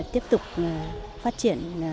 tiếp tục phát triển